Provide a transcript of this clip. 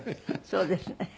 そうですね。